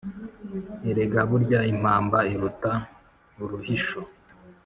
erega burya impamba iruta uruhisho